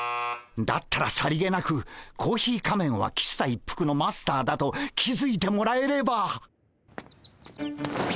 だったらさりげなくコーヒー仮面は喫茶一服のマスターだと気付いてもらえれば。